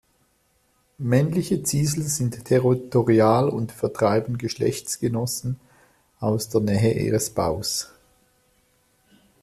Männliche Ziesel sind territorial und vertreiben Geschlechtsgenossen aus der Nähe ihres Baus.